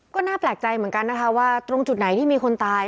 ก็น่าแปลกใจเหมือนกันนะคะว่าตรงจุดไหนที่มีคนตาย